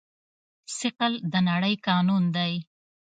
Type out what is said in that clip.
ثقل د نړۍ قانون دی.